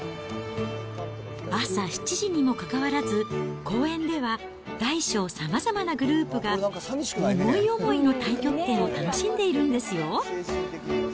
朝７時にもかかわらず、公園では大小さまざまなグループが、思い思いの太極拳を楽しんでいるんですよ。